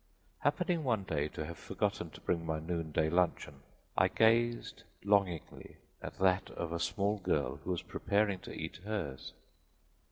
Happening one day to have forgotten to bring my noon day luncheon, I gazed longingly at that of a small girl who was preparing to eat hers.